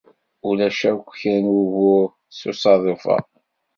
Ulac akk kra n wugur d usaḍuf-a.